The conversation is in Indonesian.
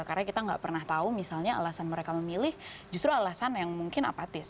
karena kita nggak pernah tahu misalnya alasan mereka memilih justru alasan yang mungkin apatis